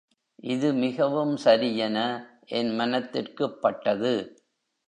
இது மிகவும் சரியென என் மனத்திற்குப் பட்டது.